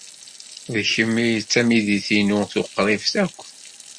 D kemm ay d tamidit-inu tuqribt akk.